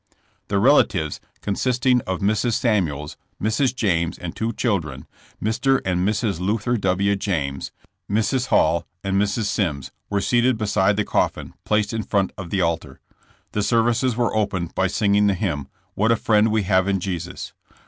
The relatives, consisting of Mrs. Samuels, Mrs. James and two children, Mr. and Mrs. Luther W. James, Mrs. Hall and Mrs. Mimms, were seated be side the coffin, placed in front of the altar. The ser vices were opened by singing the hymn, ''What a Friend We Have in Jesus.''